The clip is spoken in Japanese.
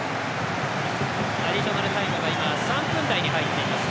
アディショナルタイムは今３分台に入っています。